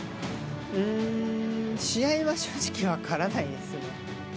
うーん、試合は正直、分からないですね。